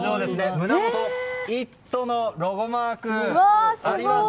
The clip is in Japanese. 胸元、「イット！」のロゴマークあります。